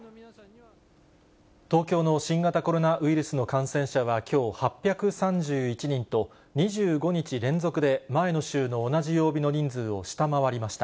東京の新型コロナウイルスの感染者は、きょう８３１人と、２５日連続で、前の週の同じ曜日の人数を下回りました。